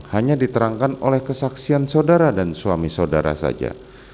hanya diterangkan oleh kesaksian saudara dan suami saudara saja